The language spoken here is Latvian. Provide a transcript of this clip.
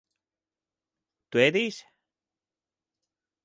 Tu ēdīsi?